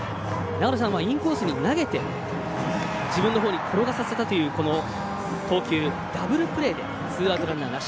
インコースに投げて自分のほうに転がさせたという投球ダブルプレーでツーアウトランナーなし。